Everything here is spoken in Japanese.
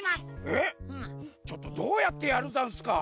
えっちょっとどうやってやるざんすか？